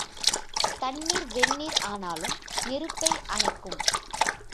தண்ணீர் வெந்நீர் ஆனாலும் நெருப்பை அணைக்கும்.